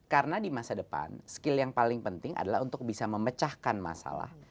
karena di masa depan skill yang paling penting adalah untuk bisa memecahkan masalah